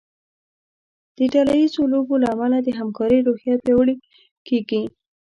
د ډله ییزو لوبو له امله د همکارۍ روحیه پیاوړې کیږي.